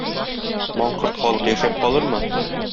Маңкорт халык яшәп калырмы?